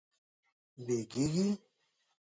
بیږیږې